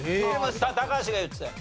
高橋が言ってたよ。